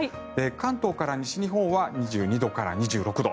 関東から西日本は２２度から２６度。